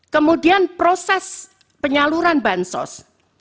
kemudian proses penyaluran bansos